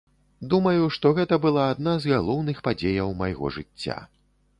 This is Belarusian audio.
Думаю, што гэта была адна з галоўных падзеяў майго жыцця.